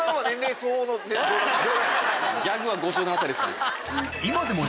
ギャグは５７歳ですね。